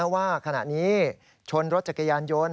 ว่าขณะนี้ชนรถจักรยานยนต์